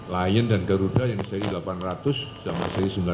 lion dan geruda yang seri delapan ratus sama seri sembilan ratus